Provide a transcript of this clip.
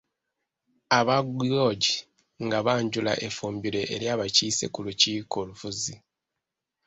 Aba Guoji nga banjula effumbiro eri abakiise ku lukiiko olufuzi.